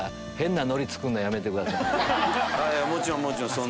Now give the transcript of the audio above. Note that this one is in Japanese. もちろんもちろん。